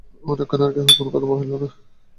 অনেকক্ষণ আর কেহ কোনো কথা কহিল না।